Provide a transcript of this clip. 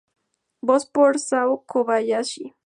Voz por: Sanae Kobayashi.